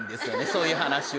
そういう話は。